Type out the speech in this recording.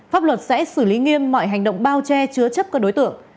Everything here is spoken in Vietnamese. pháp luật sẽ xử lý nghiêm mọi hành động bao che chứa chấp các đối tượng